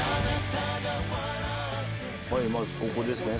はいまずここですね。